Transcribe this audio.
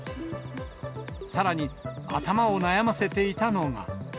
さらに頭を悩ませていたのが。